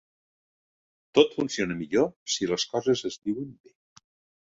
Tot funciona millor si les coses es diuen bé.